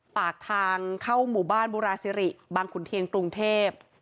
ปากทางเข้าหมู่บ้านบุราซิริบางขุนเทียนกรุงเทพ